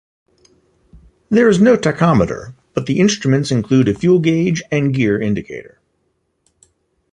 There is no tachometer but the instruments include a fuel gauge and gear indicator.